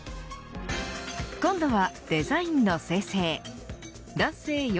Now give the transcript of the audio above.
今度はデザインの生成へ。